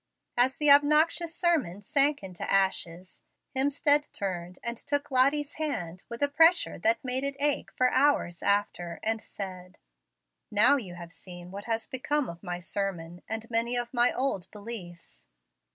As the obnoxious sermon sank into ashes, Hemstead turned and took Lottie's hand with a pressure that made it ache for hours after, and said: "Now you have seen what has become of my sermon and many of my old beliefs.